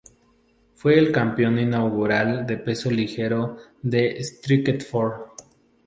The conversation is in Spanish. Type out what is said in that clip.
Fue el campeón inaugural de peso ligero de Strikeforce.